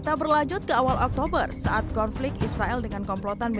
dan pengtau dengan kulit teknik dalam toko yang lebih besar dengan anggaran ini